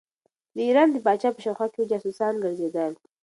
د ایران د پاچا په شاوخوا کې جاسوسان ګرځېدل.